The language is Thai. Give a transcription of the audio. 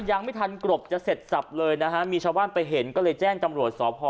ยังไม่ทันกรบจะเสร็จสับเลยนะฮะมีชาวบ้านไปเห็นก็เลยแจ้งตำรวจสพ